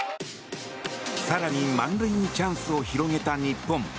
更に満塁にチャンスを広げた日本。